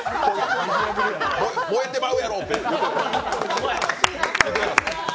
燃えてまうやろって。